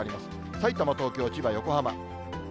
さいたま、東京、千葉、横浜。